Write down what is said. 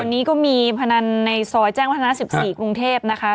วันนี้ก็มีพนันในซอยแจ้งวัฒนา๑๔กรุงเทพนะคะ